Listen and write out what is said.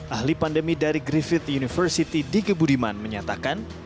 ahli pandemi dari griffith university di gebudiman menyatakan